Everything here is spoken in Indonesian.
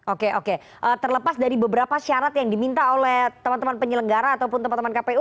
oke oke terlepas dari beberapa syarat yang diminta oleh teman teman penyelenggara ataupun teman teman kpu